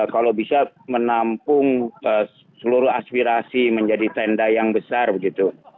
kalau bisa menampung seluruh aspirasi menjadi tenda yang besar begitu